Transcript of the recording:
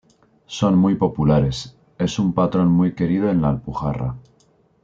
Son muy populares, es un patrón muy querido en la Alpujarra.